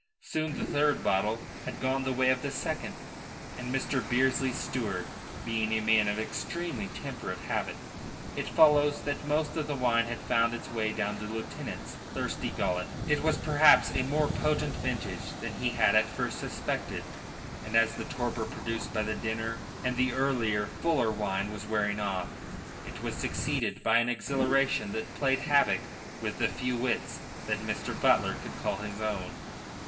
Soon the third bottle had gone the way of the second, and Mr. Bearsley's steward being a man of extremely temperate habit, it follows that most of the wine had found its way down the lieutenant's thirsty gullet. It was perhaps a more potent vintage than he had at first suspected, and as the torpor produced by the dinner and the earlier, fuller wine was wearing off, it was succeeded by an exhilaration that played havoc with the few wits that Mr. Butler could call his own.